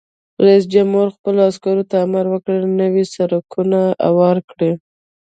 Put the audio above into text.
رئیس جمهور خپلو عسکرو ته امر وکړ؛ نوي سړکونه هوار کړئ!